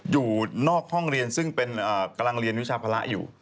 อยู่นอกห้องเรียนซึ่งเป็นกำลังเรียนวิชาภาระอยู่